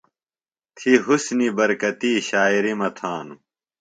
تھی حُسنی برکتی شاعِری مہ تھانوۡ۔